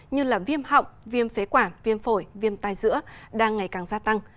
như viêm họng viêm phế quản viêm phổi viêm tai dữa đang ngày càng gia tăng